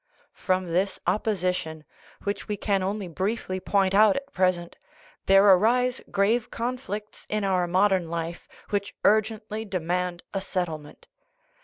From this opposition, which we can only briefly point out at present, there arise grave conflicts in our modern life which urgently demand a settlement.